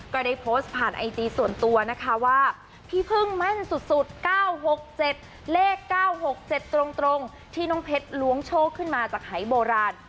ก็ได้โพสต์ผ่านไอจีส่วนตัวนะคะว่าพี่พึ่งมั่นสุดสุดเก้าหกเจ็ดเลขเก้าหกเจ็ดตรงตรงที่น้องเพชรลวงโชคขึ้นมาจากหายโบราณ